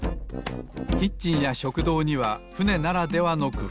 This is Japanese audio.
キッチンや食堂にはふねならではのくふうが。